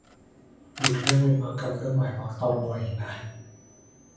หลุดเรื่องเว้นวรรคกับเครื่องหมายวรรคตอนบ่อยนะ